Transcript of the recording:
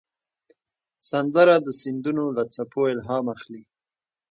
سندره د سیندونو له څپو الهام اخلي